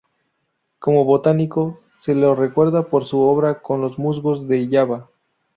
Como botánico, se lo recuerda por su obra con los musgos de Java.